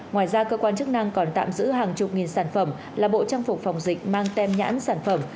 ngoài ra cơ quan chức năng còn tạm giữ hàng chục nghìn sản phẩm là bộ trang phục phòng dịch mang tem nhãn sản phẩm